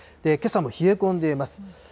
けさも冷え込んでいます。